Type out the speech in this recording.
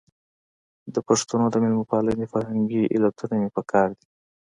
د پښتنو د مېلمه پالنې فرهنګي علتونه مې په کار دي.